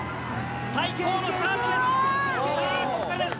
最高のスタートです！